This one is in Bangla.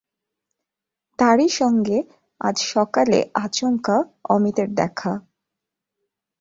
তারই সঙ্গে আজ সকালে আচমকা অমিতর দেখা।